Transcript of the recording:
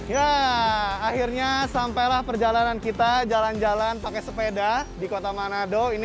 ya akhirnya sampailah perjalanan kita jalan jalan pakai sepeda di kota manado ini